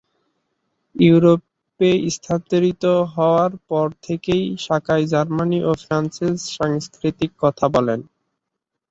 ইউরোপে স্থানান্তরিত হওয়ার পর থেকে সাকাই জার্মানি ও ফ্রান্সের সংস্কৃতির কথা বলেন।